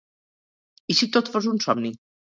i si tot fos un somni?